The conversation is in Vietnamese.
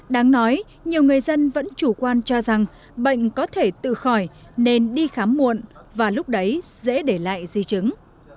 đáng nói nhiều người dân vẫn chủ quan cho rằng bệnh có thể tự khỏi nên đi khám muộn và lúc đấy dễ để lại di chứng